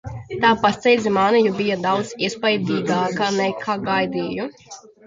Tā pārsteidza mani, jo bija daudz iespaidīgāka, nekā gaidīju.